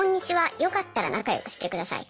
よかったら仲良くしてください！」。